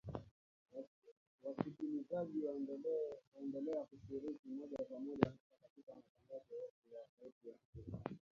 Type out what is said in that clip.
Wasikilizaji waendelea kushiriki moja kwa moja hasa katika matangazo yetu ya sauti ya Afrika